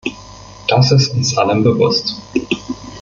Das ist uns allen bewusst.